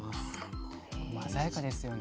鮮やかですよね。